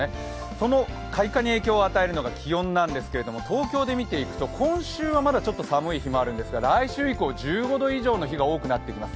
その開花に影響を与えるのが気温なんですけど東京で見ていくと今週はまだちょっと寒い日もあるんですが来週以降１５度以上の日が多くなってきます。